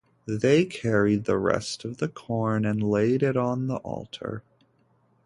They carried the rest of the corn and laid it on the altar.